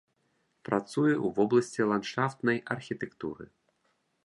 Працуе ў вобласці ландшафтнай архітэктуры.